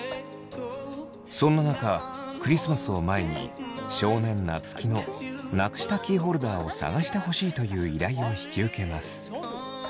そんな中クリスマスを前に少年夏樹のなくしたキーホルダーを探してほしいという依頼を引き受けます。